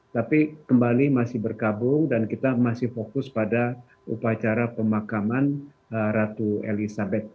tapi kembali masih berkabung dan kita masih fokus pada upacara pemakaman ratu elizabeth ii